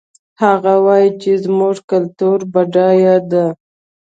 هغه وایي چې زموږ کلتور بډایه ده